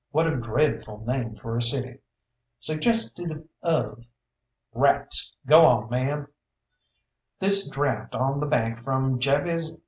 What a dreadful name for a city! suggestive of " "Rats! Go on, man!" "This draft on the bank from Jabez Y.